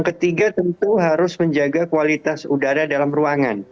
ketiga tentu harus menjaga kualitas udara dalam ruangan